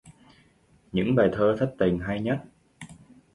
Những bài thơ thất tình hay nhất